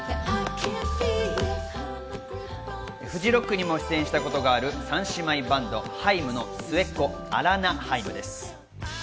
フジロックにも出演したことがある三姉妹バンド、Ｈａｉｍの末っ子、アラナ・ハイムです。